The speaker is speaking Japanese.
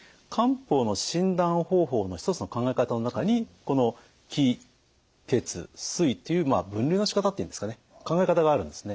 方法の一つの考え方の中にこの気・血・水という分類のしかたっていうんですかね考え方があるんですね。